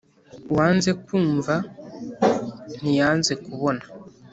Uwanze kwumva ntiyanze kubona.